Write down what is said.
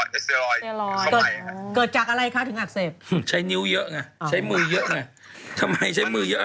ทุกคนก็เลยสงสัยว่านิ้วพี่ไปทำอะไรมาถึงเจ็บ